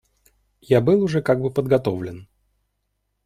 Я был уже как бы подготовлен.